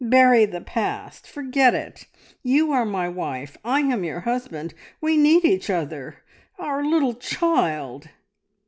Bury the past, forget it. You are my wife, I am your husband we need each other. Our little child!"